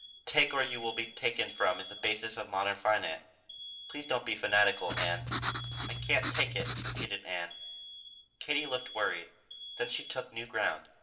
Take or you will be taken from is the basis of modern finance. Please don't be fanatical, Ann." "I can't take it," repeated Ann. Katie looked worried. Then she took new ground.